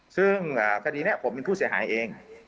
ซึ่งคดีนี้ผมเป็นผู้เสียหายเอง